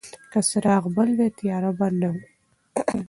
که څراغ بل وای، تیاره به نه وه.